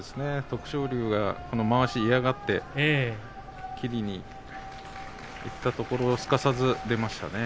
徳勝龍が、まわしを嫌がって切りにいったところをすかさず出ましたね。